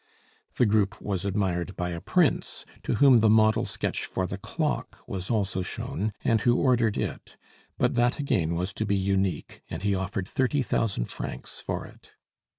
The group was admired by a Prince, to whom the model sketch for the clock was also shown, and who ordered it; but that again was to be unique, and he offered thirty thousand francs for it.